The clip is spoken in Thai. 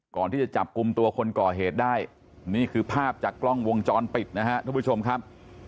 จับกลุ่มตัวคนก่อเหตุได้นี่คือภาพจากกล้องวงจรปิดนะฮะทุกผู้ชมครับ